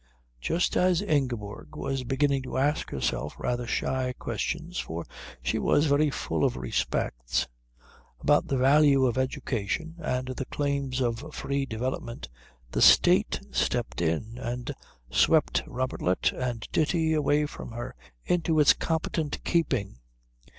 Just as Ingeborg was beginning to ask herself rather shy questions for she was very full of respects about the value of education and the claims of free development, the State stepped in and swept Robertlet and Ditti away from her into its competent keeping.